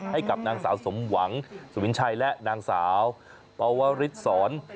ให้กับนางสาวสมหวังสุวินชัยและนางสาวปวริสร